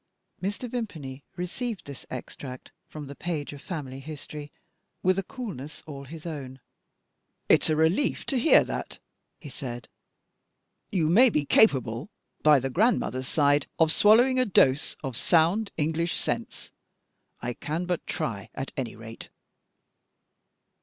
Mr. Vimpany received this extract from the page of family history with a coolness all his own. "It's a relief to hear that," he said. "You may be capable (by the grandmother's side) of swallowing a dose of sound English sense. I can but try, at any rate.